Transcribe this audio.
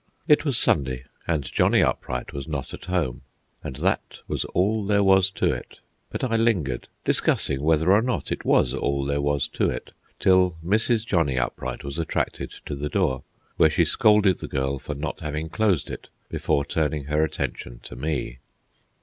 It was Sunday, and Johnny Upright was not at home, and that was all there was to it. But I lingered, discussing whether or not it was all there was to it, till Mrs. Johnny Upright was attracted to the door, where she scolded the girl for not having closed it before turning her attention to me.